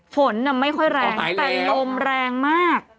ฝนไม่ค่อยแรงแต่ลมแรงมาก